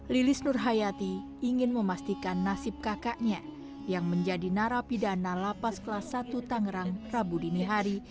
lilis nurhayati ingin memastikan nasib kakaknya yang menjadi narapidana lapas kelas satu tangerang rabu dini hari